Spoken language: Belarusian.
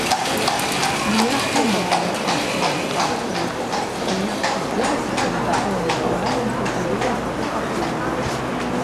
Не атрымаў мастацкай адукацыі, заняткі жывапісам да пэўнага моманту былі яго захапленнем.